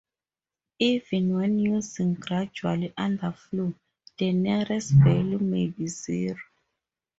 Even when using gradual underflow, the nearest value may be zero.